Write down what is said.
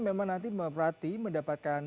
memang nanti merati mendapatkan